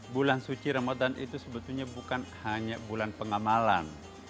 bulan suci ramadan itu sebetulnya bukan hanya bulan pengamalan